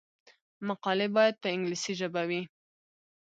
مقالې باید په انګلیسي ژبه وي.